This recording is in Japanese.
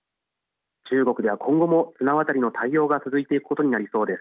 中国では今後も綱渡りの対応が続いていくことになりそうです。